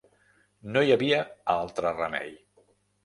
No hi havia altre remei.